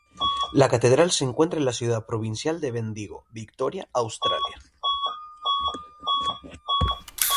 La catedral se encuentra en la ciudad provincial de Bendigo, Victoria, Australia.